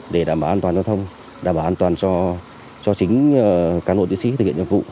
để đảm bảo an toàn giao thông đảm bảo an toàn cho chính các nội địa sĩ thực hiện nhiệm vụ